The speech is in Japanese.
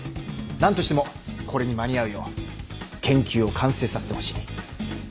何としてもこれに間に合うよう研究を完成させてほしい。